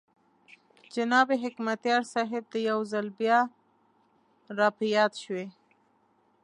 جناب حکمتیار صاحب ته یو ځل بیا را په یاد شوې.